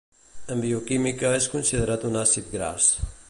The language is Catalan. En bioquímica és considerat un àcid gras.